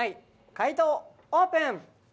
解答オープン！